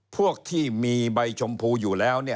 พวกที่มีใบชมพูอยู่แล้ว